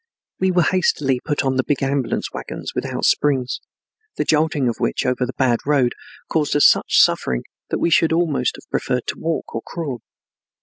We were hastily put on big ambulance wagons without springs, the jolting of which over the bad road caused us such suffering that we should have almost preferred to walk or crawl.